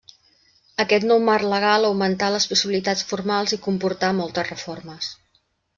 Aquest nou marc legal augmentà les possibilitats formals i comportà moltes reformes.